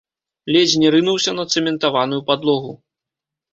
Ледзь не рынуўся на цэментаваную падлогу.